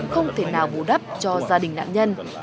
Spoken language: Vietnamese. không thể nào bù đắp cho gia đình nạn nhân